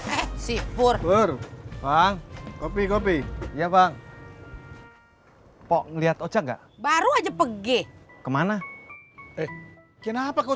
eh sipur bang kopi kopi iya bang pokok ngelihat ojek gak baru aja pege kemana eh kenapa kau